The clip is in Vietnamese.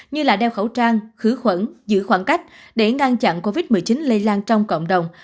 như đeo khẩu trang khử khuẩn giữ khoảng cách để ngăn chặn covid một mươi chín lây lan trong cộng đồng